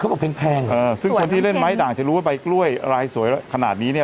บอกแพงเออซึ่งคนที่เล่นไม้ด่างจะรู้ว่าใบกล้วยรายสวยขนาดนี้เนี่ย